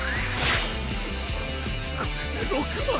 これで６枚！？